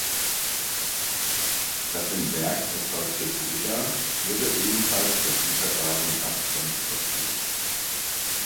Das im Werk erzeugte Soda wurde ebenfalls per Güterwagen abtransportiert.